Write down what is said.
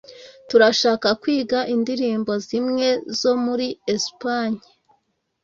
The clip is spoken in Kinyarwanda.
Turashaka kwiga indirimbo zimwe zo muri Espagne.